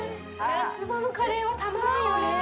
夏場のカレーはたまらんよね！